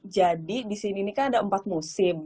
jadi di sini kan ada empat musim